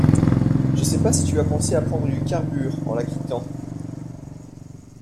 Je sais pas si tu as pensé à prendre du carbure en la quittant